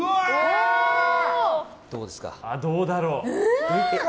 どうだろう。